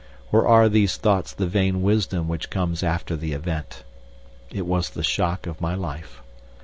Or are these thoughts the vain wisdom which comes after the event? It was the shock of my life.